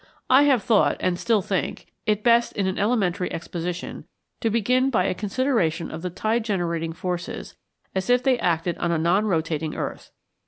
I have thought, and still think, it best in an elementary exposition to begin by a consideration of the tide generating forces as if they acted on a non rotating earth.